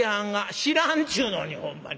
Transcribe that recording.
「知らんっちゅうのにほんまに！